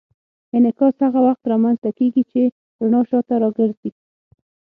انعکاس هغه وخت رامنځته کېږي چې رڼا شاته راګرځي.